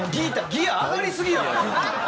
ギア上がりすぎやろ！